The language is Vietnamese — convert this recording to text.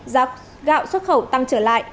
giá gạo xuất khẩu tăng trở lại